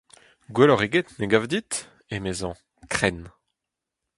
Gwelloc’h eget ne gav dit, emezañ, krenn.